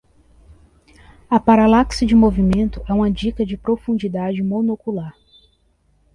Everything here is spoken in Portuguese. A paralaxe de movimento é uma dica de profundidade monocular.